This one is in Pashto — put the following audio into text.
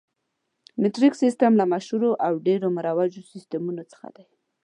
مټریک سیسټم له مشهورو او ډېرو مروجو سیسټمونو څخه دی.